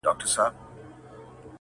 نه یې ختم تر مابین سول مجلسونه!!